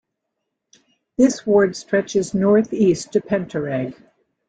This ward stretches north east to Pencarreg.